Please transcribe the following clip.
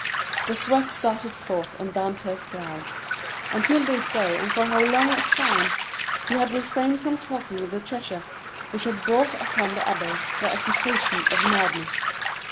The sweat started forth on Dantès' brow. Until this day and for how long a time!—he had refrained from talking of the treasure, which had brought upon the abbé the accusation of madness.